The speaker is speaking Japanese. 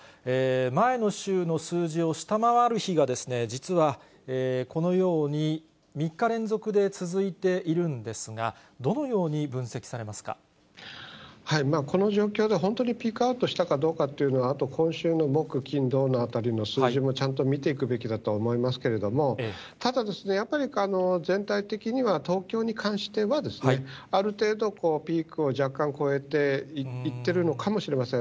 前の週の数字を下回る日が、実はこのように３日連続で続いているんですが、どのように分析さこの状況で、本当にピークアウトしたかというのは、あと今週の木、金、土のあたりの数字もちゃんと見ていくべきだと思いますけれども、ただ、やっぱり全体的には、東京に関しては、ある程度、ピークを若干越えていってるのかもしれません。